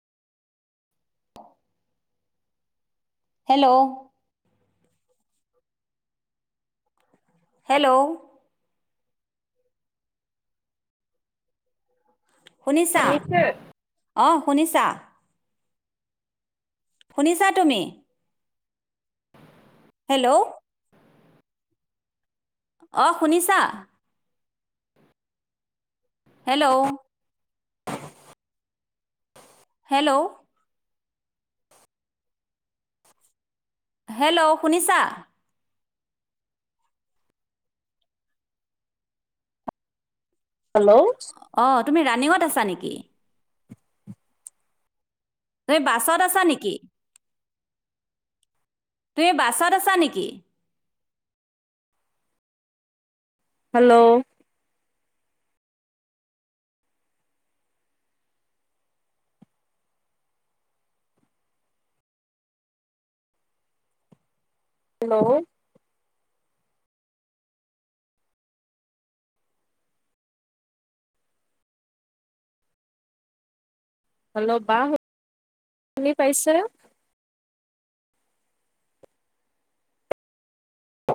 Hello hello শুনিছা শুনিছে? অহ শুনিছা? শুনিছা তুমি? হেল্ল' অহ শুনিছা? হেল্ল' হেল্ল' [unintelligible] হেল্ল' শুনিছা? হেল্লছ্ অঁ তুমি ৰানিঙত আছা নিকি? তুমি বাছত আছা নিকি? তুমি বাছত আছা নিকি? হেল্ল' হেল্ল' হেল্ল' বা শু শুনি পাইছে?